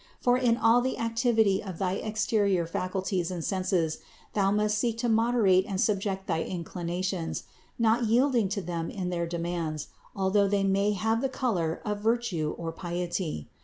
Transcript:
For in all the activity of thy exterior faculties and senses thou must seek to moderate and subject thy inclinations, not yielding to them in their demands, although they may have the color of virtue or piety.